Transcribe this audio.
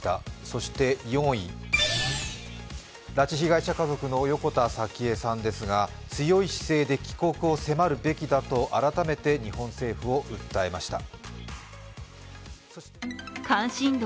そして４位、拉致被害者家族の横田早紀江さんですが、強い姿勢で帰国を迫るべきだと改めて日本政府を訴えました。